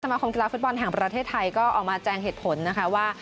มาคมกีฬาฟุตบอลแห่งประเทศไทยก็ออกมาแจงเหตุผลนะคะว่า